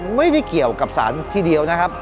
ไม่ได้เกี่ยวกับสารทีเดียวนะครับ